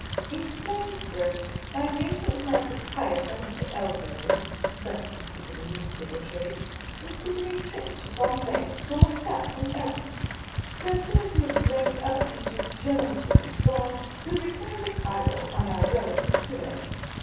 In plain prose, my arrangement with " my pro prietor," Mr. El worthy (thus we speak in the newspaper trade), included a trip to Bombay for myself and Elsie. So, as soon as we had drained Upper Egypt journalistically dry, we returned to Cairo on our road to Suez.